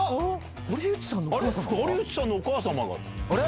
「堀内さんのお母様が」？